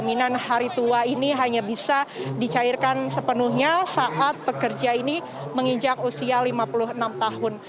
jaminan hari tua ini hanya bisa dicairkan sepenuhnya saat pekerja ini menginjak usia lima puluh enam tahun